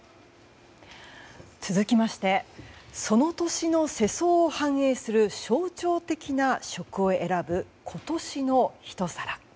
続きまして、その年の世相を反映する象徴的な食を選ぶ今年の一皿。